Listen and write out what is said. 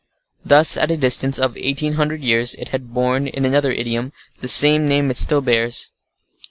Thus, at a distance of eighteen hundred years, it had borne, in another idiom, the same name it still bears.